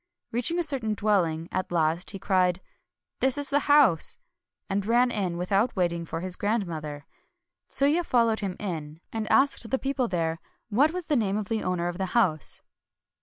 Reaching a certain dwelling at last, he cried, "This is the house!" — and ran in, without waiting for his grandmother. Tsuya followed him in, and asked the people THE REBIRTH OF KATSUGORO 285 there what was the name of the owner of the house.